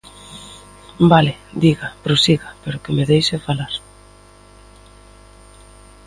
Vale, diga prosiga pero que me deixe falar.